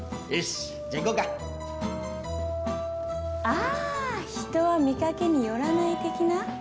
ああ人は見かけによらない的な。